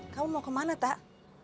kamu mau kemana tak